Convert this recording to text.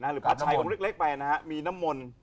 หรือพระชายของเล็กไปนะ